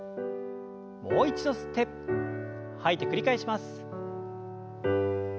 もう一度吸って吐いて繰り返します。